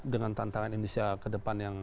dengan tantangan indonesia ke depan yang